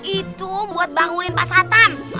itu buat bangunin pak satam